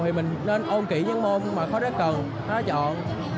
thì mình nên ôn kỹ những môn mà khói đó cần nó chọn